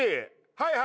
はい。